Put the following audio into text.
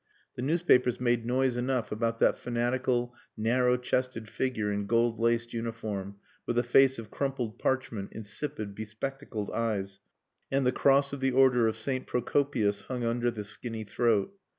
The newspapers made noise enough about that fanatical, narrow chested figure in gold laced uniform, with a face of crumpled parchment, insipid, bespectacled eyes, and the cross of the Order of St. Procopius hung under the skinny throat.